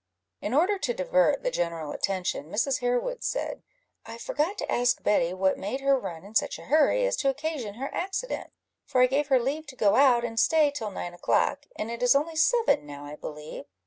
In order to divert the general attention, Mrs. Harewood said "I forgot to ask Betty what made her run in such a hurry as to occasion her accident, for I gave her leave to go out, and stay till nine o'clock, and it is only seven now, I believe."